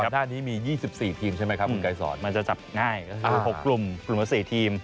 คือก่อนท่านี้มี๒๔ทีมใช่ไหมครับมันจะจับง่าย๖กลุ่มกลุ่มและ๔ทีม